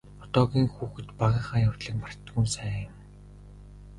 Одоогийн хүүхэд багынхаа явдлыг мартдаггүй нь сайхан юм.